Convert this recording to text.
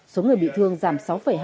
số người bị thương giảm sáu hai mươi bốn